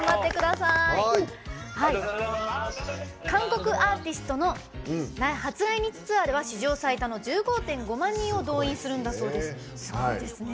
韓国アーティストの初来日ツアーでは史上最多の１５．５万人を動員するんだそうです。